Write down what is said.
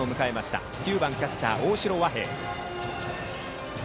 バッターは９番キャッチャー、大城和平。